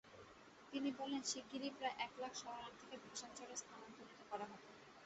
তিনি বলেন, শিগগিরই প্রায় এক লাখ শরণার্থীকে ভাসানচরে স্থানান্তরিত করা হবে।